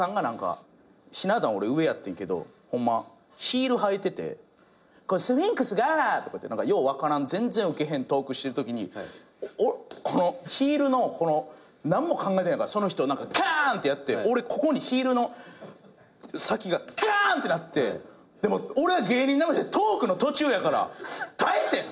ひな壇俺上やってんけどヒール履いてて「スフィンクスが」とかって全然ウケへんトークしてるときにヒールのこの何も考えてないからその人かーんってやって俺ここにヒールの先ががーんってなって俺芸人魂トークの途中やから耐えてん！